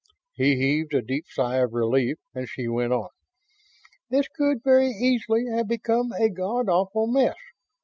He heaved a deep sigh of relief and she went on: "This could very easily have become a God awful mess.